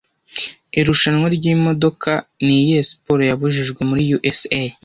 Irushanwa ryimodoka niyihe siporo yabujijwe muri USA